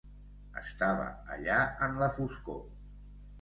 Estava allà en la foscor.